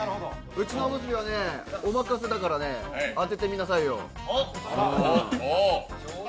うちのおむすびはねお任せだからね、当ててみなさいよ。